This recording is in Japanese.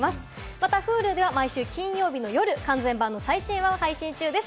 またＨｕｌｕでは毎週金曜日の夜、完全版の最新話を配信中です。